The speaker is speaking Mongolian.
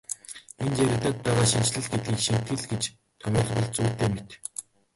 Энд яригдаад байгаа шинэчлэл гэдгийг шинэтгэл гэж томьёолбол зүйтэй мэт.